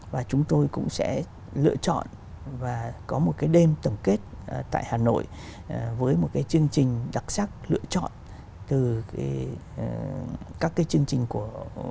và chúng tôi cũng sẽ lựa chọn và có một cái đêm tổng kết tại hà nội với một cái chương trình đặc sắc lựa chọn từ các cái chương trình của